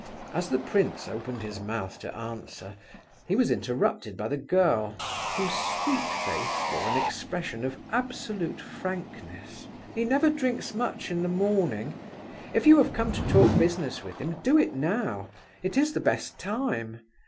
As the prince opened his mouth to answer, he was interrupted by the girl, whose sweet face wore an expression of absolute frankness. "He never drinks much in the morning; if you have come to talk business with him, do it now. It is the best time.